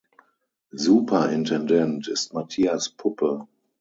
Superintendent ist Matthias Puppe.